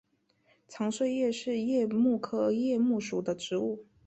长穗桦是桦木科桦木属的植物。